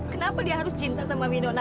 kenapa dia harus cinta sama binona